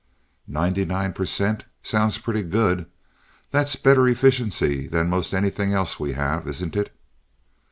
"Ninety nine percent. Sounds pretty good. That's better efficiency than most anything else we have, isn't it?"